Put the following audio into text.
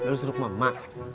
lu seru ke mama